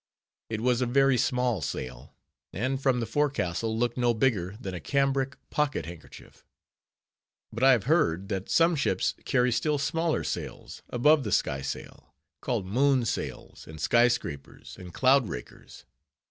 It was a very small sail, and from the forecastle looked no bigger than a cambric pocket handkerchief. But I have heard that some ships carry still smaller sails, above the skysail; called moon sails, and skyscrapers, and _cloud rakers.